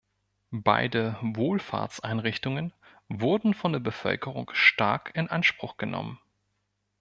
Beide Wohlfahrtseinrichtungen wurden von der Bevölkerung stark in Anspruch genommen.